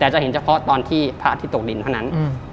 จะเห็นเฉพาะตอนที่พระอาทิตย์ตกดินเท่านั้น